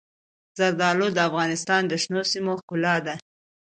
زردالو د افغانستان د شنو سیمو ښکلا ده.